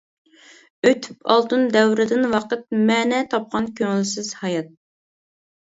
ئۆتۈپ ئالتۇن دەۋرىدىن ۋاقىت، مەنە تاپقان كۆڭۈلسىز ھايات.